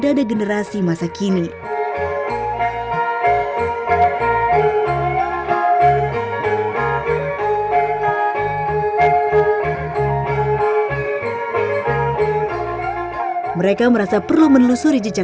tetapi tidak terlalu biasa kita mencari pelajaran kalian bertuah